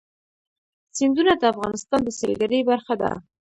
سیندونه د افغانستان د سیلګرۍ برخه ده.